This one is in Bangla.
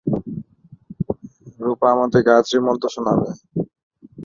রুপা আমাদের গায়েত্রি মন্ত্র শোনাবে।